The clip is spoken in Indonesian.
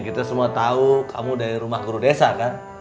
kita semua tahu kamu dari rumah guru desa kan